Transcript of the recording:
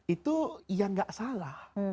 itu yang enggak salah